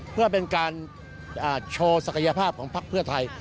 เพื่อเป็นการโชว์ศักยภาพของพักเพื่อไทย